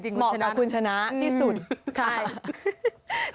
เหมาะของคุณชนะที่สุด